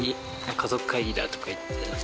家族会議だとか言って。